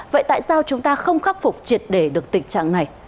vậy tại sao chúng ta không khắc phục triệt để được tình trạng này